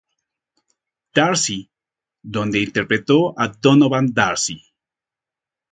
Darcy", donde interpretó a Donovan Darcy.